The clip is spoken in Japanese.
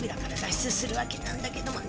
しゅつするわけなんだけども。